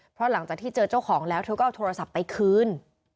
เพราะหลังจากที่เจอเจ้าของแล้วเธอก็เอาโทรศัพท์ไปคืน